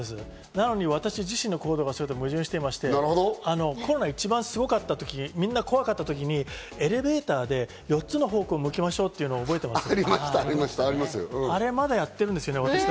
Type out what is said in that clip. なのに私自身の行動がそれと矛盾していまして、コロナ、一番すごかったとき、みんな怖かったときにエレベーターで４つの方向を向きましょうっていうの覚えてます？